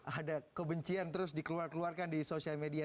ada kebencian terus dikeluarkan keluarkan di sosial media